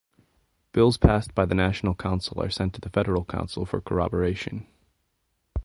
Bills passed by the National Council are sent to the Federal Council for corroboration.